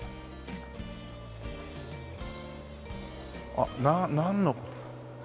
あっなんの。